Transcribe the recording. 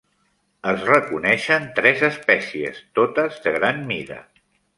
Es reconeixen tres espècies, totes de gran mida.